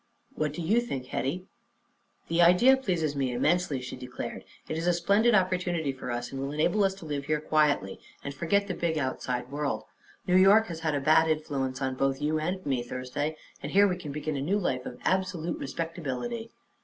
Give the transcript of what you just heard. "What do you think, Hetty?" "The idea pleases me immensely," she declared. "It is a splendid opportunity for us, and will enable us to live here quietly and forget the big outside world. New York has had a bad influence on both you and me, Thursday, and here we can begin a new life of absolute respectability."